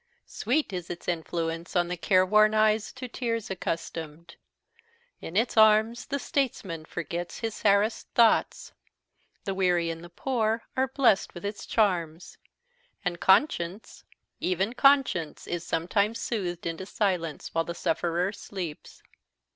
Sweet is its influence on the careworn eyes to tears accustomed. In its arms the statesman forgets his harassed thoughts; the weary and the poor are blessed with its charms; and conscience even conscience is sometimes soothed into silence, while the sufferer sleeps.